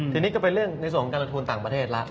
ทีนี้ก็เป็นเรื่องในส่วนของการลงทุนต่างประเทศแล้ว